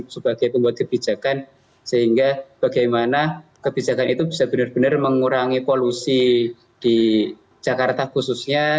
sebagai pembuat kebijakan sehingga bagaimana kebijakan itu bisa benar benar mengurangi polusi di jakarta khususnya